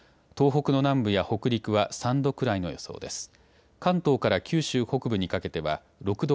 東北の南部や北陸は３度くらいの予想です。